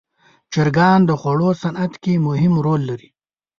چرګان د خوړو صنعت کې مهم رول لري.